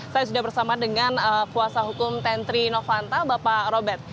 saya sudah bersama dengan kuasa hukum tentri novanto bapak robert